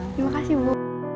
terima kasih bu